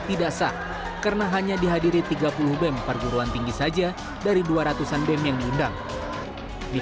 tidak sah karena hanya dihadiri tiga puluh bem perguruan tinggi saja dari dua ratus an bem yang diundang di